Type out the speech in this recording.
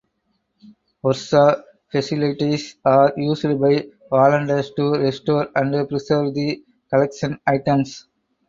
Workshop facilities are used by volunteers to restore and preserve the collection items.